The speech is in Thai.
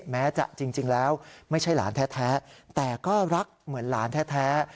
แม้จะจริงแล้วไม่ใช่หลานแท้แต่ก็รักเหมือนหลานแท้